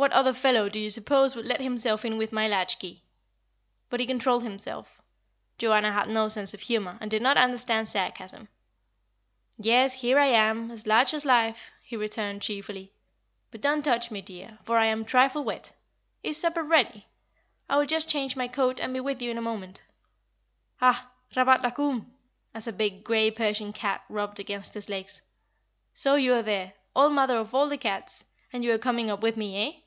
"What other fellow do you suppose would let himself in with my latch key." But he controlled himself Joanna had no sense of humour, and did not understand sarcasm. "Yes, here I am, as large as life," he returned, cheerfully. "But don't touch me, dear, for I am a trifle wet. Is supper ready? I will just change my coat, and be with you in a moment. Ah! Rabat la Koum," as a big, grey Persian cat rubbed against his legs, "so you are there, old mother of all the cats; and you are coming up with me, eh?"